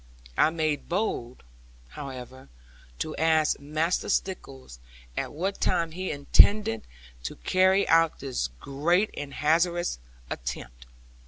I made bold, however, to ask Master Stickles at what time he intended to carry out this great and hazardous attempt.